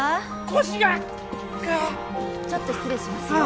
腰がちょっと失礼しますよ